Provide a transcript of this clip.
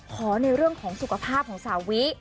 ในเรื่องของสุขภาพของสาวิ